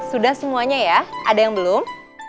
sudah semuanya ya ada yang belum